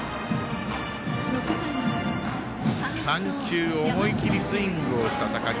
３球思い切りスイングをした高木。